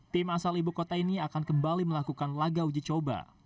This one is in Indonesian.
tim asal ibu kota ini akan kembali melakukan laga uji coba